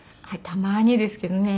たまにですけどね。